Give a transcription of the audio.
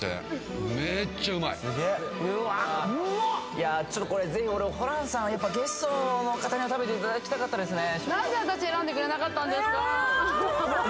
いやちょっとこれぜひホランさんはやっぱゲストの方には食べていただきたかったですね